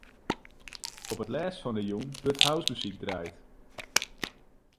Op it lêst fan 'e jûn wurdt housemuzyk draaid.